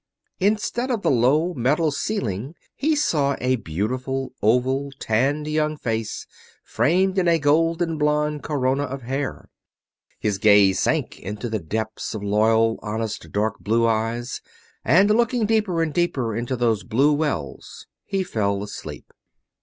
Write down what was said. Instead of the low metal ceiling he saw a beautiful, oval, tanned young face, framed in a golden blonde corona of hair. His gaze sank into the depths of loyal, honest, dark blue eyes; and looking deeper and deeper into those blue wells he fell asleep.